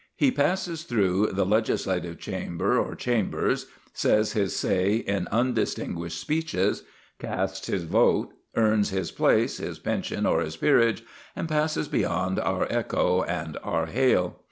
He passes through the legislative chamber or chambers, says his say in undistinguished speeches, casts his vote, earns his place, his pension, or his peerage, and passes beyond our echo and our hail.